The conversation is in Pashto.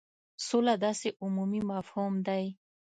سوله داسي عمومي مفهوم دی.